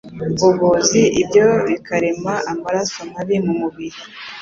ngogozi, ibyo bikarema amaraso mabi mu mubiri,